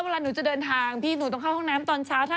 เวลาหนูจะเดินทางพี่หนูต้องเข้าห้องน้ำตอนเช้า